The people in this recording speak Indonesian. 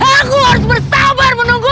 aku harus bersabar menunggu